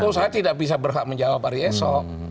tentu saya tidak bisa berhak menjawab hari esok